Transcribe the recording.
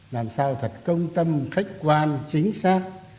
làm sao thật công tâm khách quan chính xác